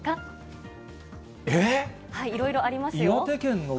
いろいろありますよ。